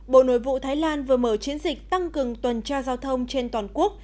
bộ nội vụ thái lan vừa mở chiến dịch tăng cường tuần tra giao thông trên toàn quốc